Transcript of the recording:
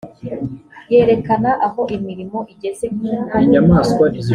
yerekana aho imirimo igeze nk uko